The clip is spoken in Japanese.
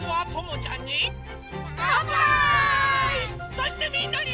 そしてみんなに。